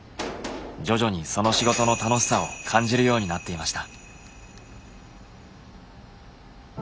徐々にその仕事の楽しさを感じるようになっていました。